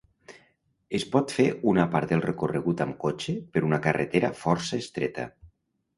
Es pot fer una part del recorregut amb cotxe per una carretera força estreta.